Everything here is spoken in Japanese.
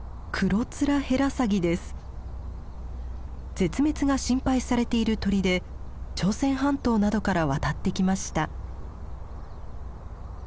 絶滅が心配されている鳥で朝鮮半島などから渡ってきました。